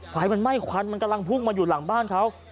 ไฟมันไหม้ควันมันกำลังพุ่งมาอยู่หลังบ้านเขา